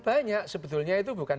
banyak sebetulnya itu bukan